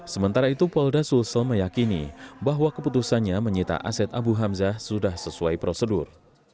sementara itu polda sulsel meyakini bahwa keputusannya menyita aset abu hamzah sudah sesuai prosedur